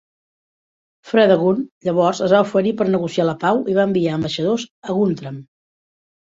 Fredegund llavors es va oferir per negociar la pau i va enviar ambaixadors a Guntram.